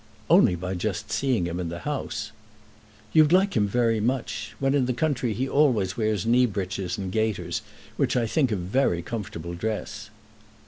"Only by just seeing him in the House." "You'd like him very much. When in the country he always wears knee breeches and gaiters, which I think a very comfortable dress."